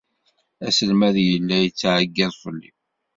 Aselmad yella yettɛeyyiḍ fell-i.